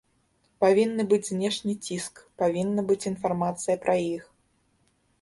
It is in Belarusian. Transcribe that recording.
Павінны быць знешні ціск, павінна быць інфармацыя пра іх.